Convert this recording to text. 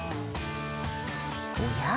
おや？